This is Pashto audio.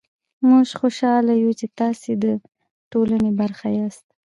موژ خوشحاله يو چې تاسې ده ټولني برخه ياست